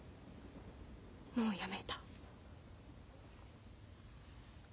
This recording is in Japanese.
もうやめた。